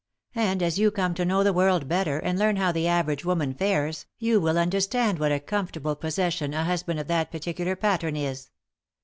And as you come to know the world better, and learn how the average woman fares, you will understand what a comfortable possession a husband of that particular pattern is.